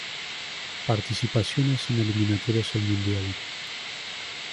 Participaciones en Eliminatorias al Mundial